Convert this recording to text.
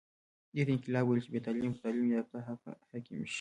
دې ته یې انقلاب ویل چې بې تعلیمه پر تعلیم یافته حاکم شي.